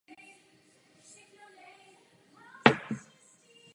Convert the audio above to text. Názory na pokračující riziko násilných střetů se různily.